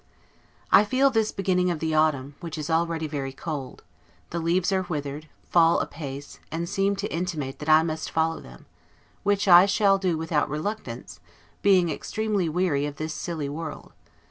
I feel this beginning of the autumn, which is already very cold: the leaves are withered, fall apace, and seem to intimate that I must follow them; which I shall do without reluctance, being extremely weary of this silly world.